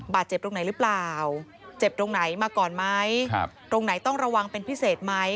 ตรงไหนหรือเปล่าเจ็บตรงไหนมาก่อนไหมตรงไหนต้องระวังเป็นพิเศษไหม